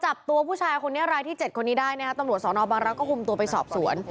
ใช่ค่ะพอจับตัวผู้ชายรายที่๗คนนี้ได้ตรสนบังรักษ์ก็คลุมตัวไปสอบสวน